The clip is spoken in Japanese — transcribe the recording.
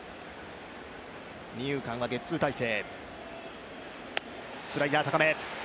二遊間はゲッツー態勢。